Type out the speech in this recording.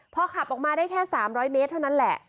พอขับออกมาได้แค่๓๐๐เมตรเท่านั้นแหละ